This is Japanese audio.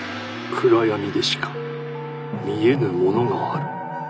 暗闇でしか見えぬものがある。